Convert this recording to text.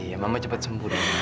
iya mama cepat sembuh dulu ya